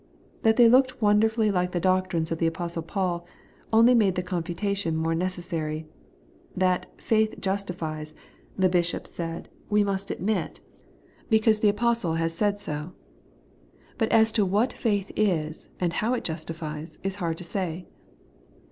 That they looked won derfully like the doctrines of the Apostle Paul, only made the confutation more necessary. That ' faith justifies,' the bishops said, we must admit, because 162 The Everlasting Eighteousness, the apostle has said so ; but as to what faith is, and how it justifies, is hard to say.